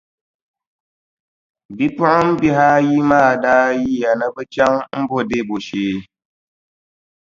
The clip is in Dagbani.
Bipuɣimbihi ayi maa daa yiya ni bɛ chaŋ m-bo Debo shee.